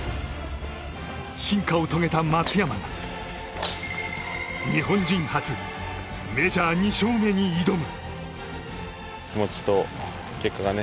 進化を遂げた松山が日本人初メジャー２勝目に挑む。